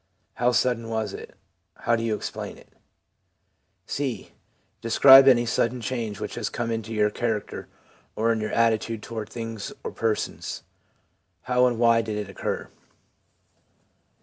How sudden was it ? How do you explain it ? '(c) Describe any sudden change which has come into your character or in your attitude toward things or persons. How and why did it occur?